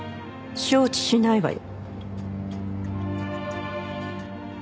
承知しないわよ。